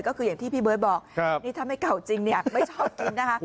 ก็คืออย่างที่พี่เบิร์ตบอกนี่ถ้าไม่เก่าจริงเนี่ยไม่ชอบกินนะคะ